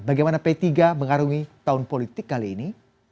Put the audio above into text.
bagaimana p tiga mengarungi tahun politik kali ini